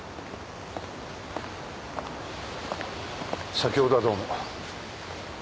先ほどはどうも。